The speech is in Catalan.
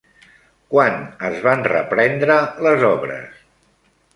Quan es van reprendre les obres?